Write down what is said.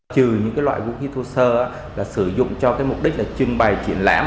trừ những loại vũ khí thu sơ sử dụng cho mục đích trưng bày triển lãm